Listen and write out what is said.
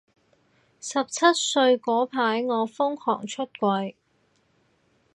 十七歲嗰排我瘋狂出櫃